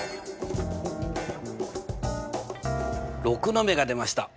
６の目が出ました。